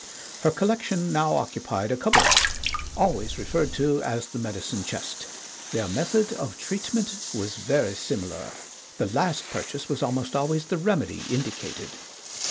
Her collection now occupied a cupboard, always referred to as the medicine chest. Their method of treatment was very similar. The last purchase was almost al ways the remedy indicated.